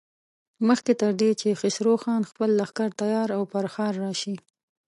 مخکې تر دې چې خسرو خان خپل لښکر تيار او پر ښار راشي.